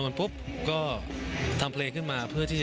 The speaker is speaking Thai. ครับทำไมแหลงว่าจะหมดท่าน